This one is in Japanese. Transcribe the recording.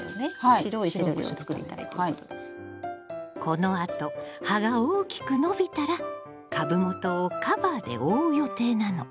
このあと葉が大きく伸びたら株元をカバーで覆う予定なの。